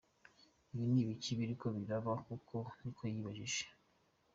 "Ibi n'ibiki biriko biraba koko?" ni ko yibajije.